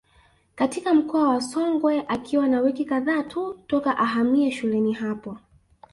Katika mkoa wa Songwe akiwa na wiki kadhaa tu toka ahamie shuleni hapo